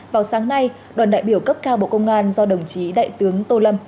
vào sáng nay đoàn đại biểu cấp cao bộ công an do đồng chí đại tướng tô lâm